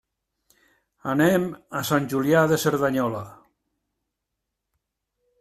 Anem a Sant Julià de Cerdanyola.